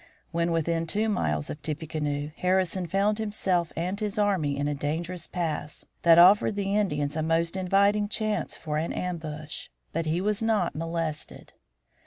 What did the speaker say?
When within two miles of Tippecanoe, Harrison found himself and his army in a dangerous pass that offered the Indians a most inviting chance for an ambush. But he was not molested.